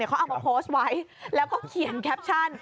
เขาเอามาโพสต์ไว้แล้วก็เขียนแคปชั่น